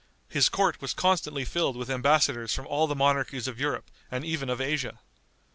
His court was constantly filled with embassadors from all the monarchies of Europe and even of Asia.